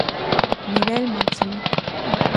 Nivel máximo.